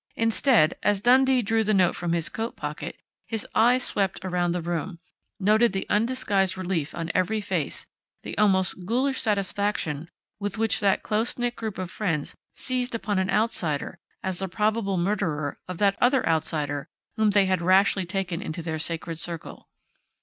Instead, as Dundee drew the note from his coat pocket, his eyes swept around the room, noted the undisguised relief on every face, the almost ghoulish satisfaction with which that close knit group of friends seized upon an outsider as the probable murderer of that other outsider whom they had rashly taken into their sacred circle.